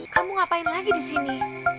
kamu ngapain lagi disini